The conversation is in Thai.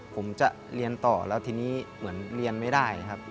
ผมจะเรียนต่อแล้วทีนี้เหมือนเรียนไม่ได้ครับ